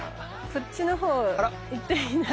こっちのほう行ってみない？